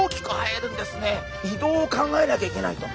移動を考えなきゃいけないと。